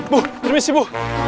bu permisi bu